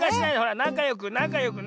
なかよくなかよくね。